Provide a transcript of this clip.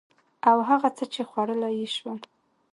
او هغه څه چې خوړلي يې شول